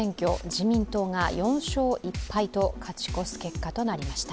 自民党が４勝１敗と勝ち越す結果となりました。